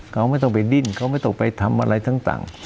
เขาไม่ต้องไปดิ้นเขาไม่ต้องไปทำอะไรต่าง